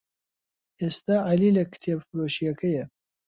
ئێستا عەلی لە کتێبفرۆشییەکەیە.